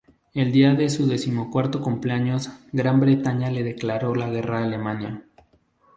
El día de su decimocuarto cumpleaños, Gran Bretaña le declaró la guerra a Alemania.